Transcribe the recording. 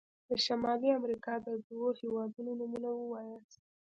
د شمالي امريکا د دوه هيوادونو نومونه ووایاست.